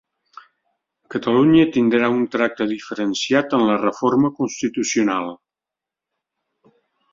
Catalunya tindrà un tracte diferenciat en la reforma constitucional